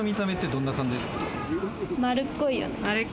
丸っこいよね。